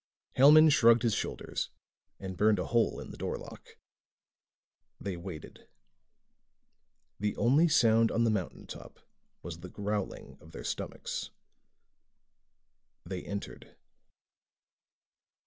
Hellman shrugged his shoulders and burned a hole in the doorlock. They waited. The only sound on the mountain top was the growling of their stomachs. They entered.